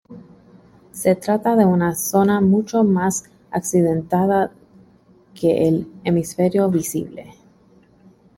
Se trata de una zona mucho más accidentada que el hemisferio visible.